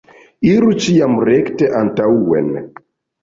Iru ĉiam rekte antaŭen.